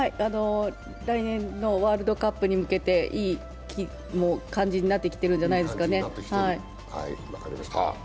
来年のワールドカップに向けて、いい感じになってきてるんじゃないですかね。